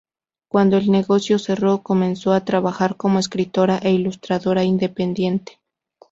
Cuando el negocio cerró, comenzó a trabajar como escritora e ilustradora independiente.